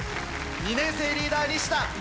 ２年生リーダー西田。